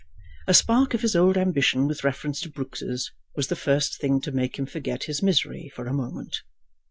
A spark of his old ambition with reference to Brooks's was the first thing to make him forget his misery for a moment.